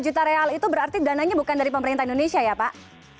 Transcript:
satu juta real itu berarti dananya bukan dari pemerintah indonesia ya pak